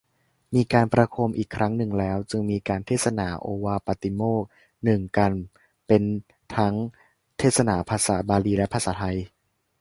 มีการประโคมอีกครั้งหนึ่งแล้วจึงมีการเทศนาโอวาทปาติโมกข์ หนึ่ง กัณฑ์ เป็นทั้งเทศนาภาษาบาลีและภาษาไทย